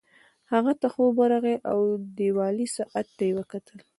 هغه ته خوب ورغی او دیوالي ساعت ته یې وکتل